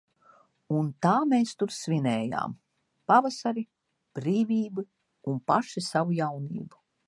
Un tā mēs tur svinējām – pavasari, brīvību un paši savu jaunību.